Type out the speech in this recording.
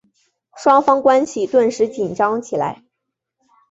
双方关系顿时紧张起来。